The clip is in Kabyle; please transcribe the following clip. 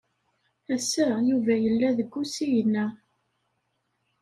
Ass-a Yuba yella deg usigna.